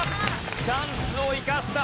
チャンスを生かした。